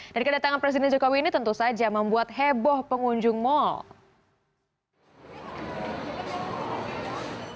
dan kedatangan presiden jokowi ini tentu saja membuat heboh pengunjung mal